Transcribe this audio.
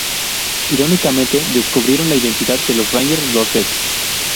Irónicamente, descubrieron la identidad de los Rangers dos veces.